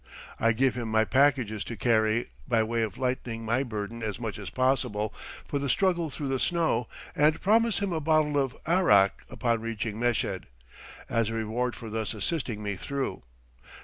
I give him my packages to carry, by way of lightening my burden as much as possible for the struggle through the snow, and promise him a bottle of arrack, upon reaching Meshed, as a reward for thus assisting me through.